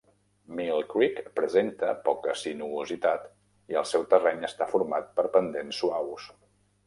Mill Creek presenta poca sinuositat i el seu terreny està format per pendents suaus.